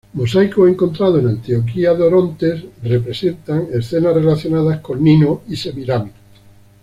Mosaicos encontrados en Antioquía de Orontes representan escenas relacionadas con Nino y Semíramis.